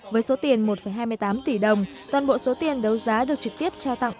với số tiền một hai mươi tám tỷ đồng toàn bộ số tiền đấu giá được trực tiếp trao tặng